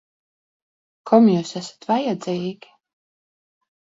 Kam jūs esat vajadzīgi?